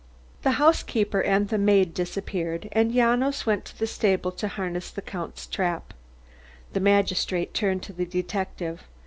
The housekeeper and the maid disappeared, and Janos went to the stable to harness the Count's trap. The magnate turned to the detective.